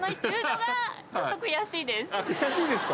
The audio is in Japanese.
悔しいですか。